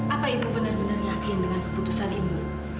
apa ibu benar benar yakin dengan keputusan ibu